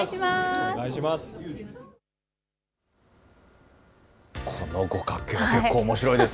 お願いします。